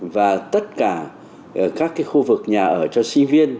và tất cả các khu vực nhà ở cho sinh viên